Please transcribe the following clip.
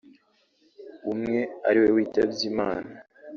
umwe ari we witabye Imana